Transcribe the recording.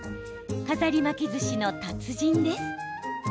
飾り巻きずしの達人です。